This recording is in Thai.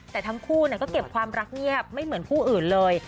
แต่ทั้งคู่ก็เก็บความรักเงียบไม่เหมือนคู่อื่นเลย